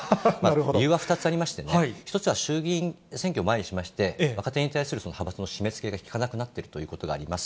理由は２つありまして、１つは衆議院選挙を前にしまして、若手に対する派閥の締めつけが効かなくなっているということがあります。